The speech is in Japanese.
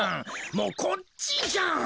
もうこっちじゃん！